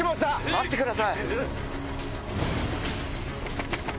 待ってください！